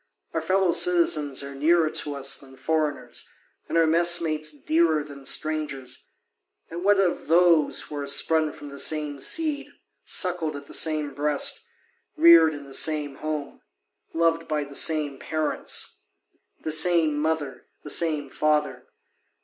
Our fellow citizens are nearer to us than foreigners, and our mess mates dearer than strangers, and what of those who are sprung from the same seed, suckled at the same breast, reared in the same home, loved by the same parents, the same mother, the same father?